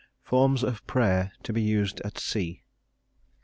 FORMS OF PRAYER TO BE USED AT SEA.